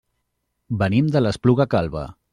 Venim de l'Espluga Calba.